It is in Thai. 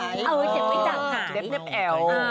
เจ็บไม่จับหาย